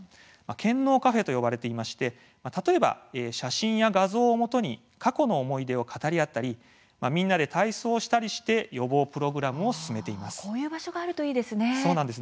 「健脳カフェ」と呼ばれていまして例えば写真や画像をもとに過去の思い出を語り合ったりみんなで体操をしたりして予防プログラムを進めています。